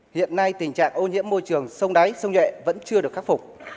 hiện nay tình trạng ô nhiễm môi trường sông đáy sông nhuệ vẫn chưa được khắc phục